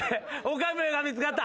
岡部が見つかった。